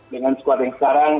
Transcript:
dengan squad yang sekarang